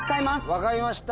分かりました！